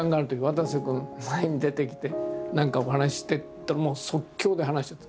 「わたせ君前に出てきて何かお話しして」ってもう即興で話を作って。